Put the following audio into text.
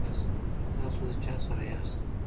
تاسو چا سره یاست؟